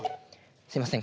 すいません